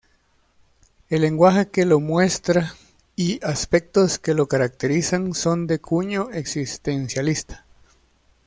El lenguaje que lo muestra y aspectos que lo caracterizan son de cuño existencialista.